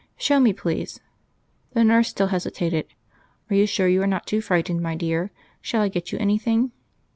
"Show me, please." The nurse still hesitated. "Are you sure you are not too frightened, my dear? Shall I get you anything?"